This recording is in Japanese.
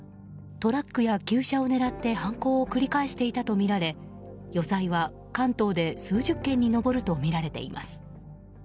トラックや旧車を狙って犯行を繰り返していたとみられ余罪は関東で数十件に上るとみられています。